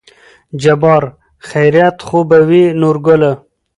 جبار : خېرت خو به وي نورګله